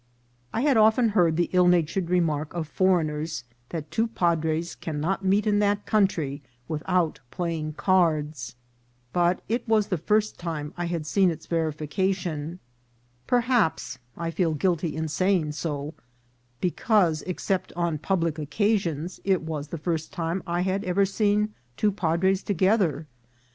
I had often heard the ill natured remark of foreigners, that two padres cannot meet in that country without playing cards, but it was the first time I had seen its verification ; perhaps (I feel guilty in saying so) because, except on public occasions, it was the first time I had ever seen two padres togeth er.